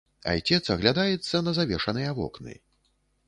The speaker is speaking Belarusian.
Айцец аглядаецца на завешаныя вокны.